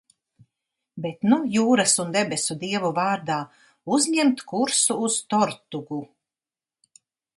Bet nu jūras un debesu dievu vārdā uzņemt kursu uz Tortugu!